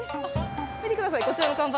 見てください、こちらの看板。